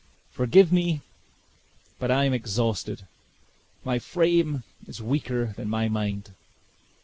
Forgive me but I am exhausted; my frame is weaker than my mind."